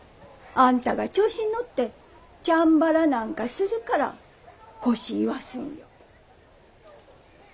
あんたが調子に乗ってチャンバラなんかするから腰いわすんよ。